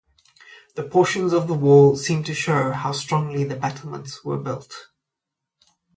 The portions of the wall seem to show how strongly the battlements were built.